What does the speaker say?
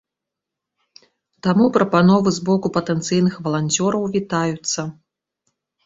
Таму прапановы з боку патэнцыйных валанцёраў вітаюцца.